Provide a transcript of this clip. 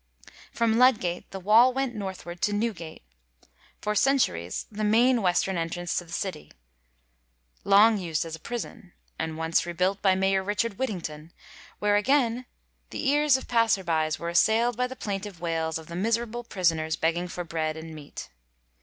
^ Prom Ludgate, the wall went north ward to Newgate,^ for centuries the main western entrance to the city, long used as a prison, and once rebuilt by Mayor Richard Whittington, where again the ears of passers by were assaild by the plaintive wails, of the miserable prisoners begging for bread and meat.